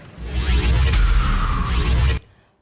kau punya gimana